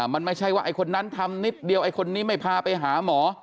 มันไม่ใช่ว่าไอ้คนนั้นทำนิดเดียวไอ้คนนี้ไม่พาไปหาหมอ